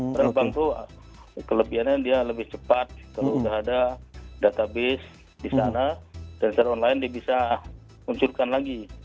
karena bank itu kelebihannya dia lebih cepat kalau sudah ada database di sana dan secara online dia bisa munculkan lagi